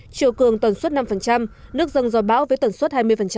triệu cường tần suất năm nước dân do bão với tần suất hai mươi